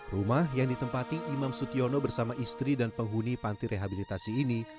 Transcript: rumah yang ditempati imam sutyono bersama istri dan penghuni panti rehabilitasi ini